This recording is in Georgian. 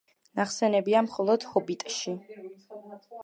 ნახსენებია მხოლოდ „ჰობიტში“.